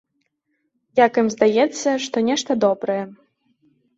Як ім здаецца, што нешта добрае.